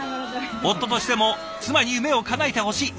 夫としても妻に夢をかなえてほしい。